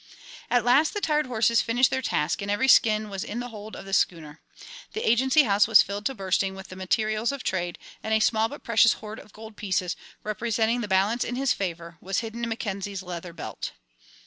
At last the tired horses finished their task and every skin was in the hold of the schooner. The Agency House was filled to bursting with the materials of trade, and a small but precious horde of gold pieces, representing the balance in his favour, was hidden in Mackenzie's leather belt.